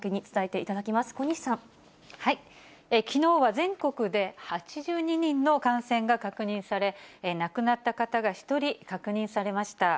きのうは全国で８２人の感染が確認され、亡くなった方が１人確認されました。